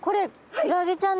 クラゲちゃん。